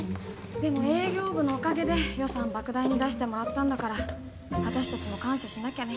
でも営業部のおかげで予算莫大に出してもらったんだから私たちも感謝しなきゃね。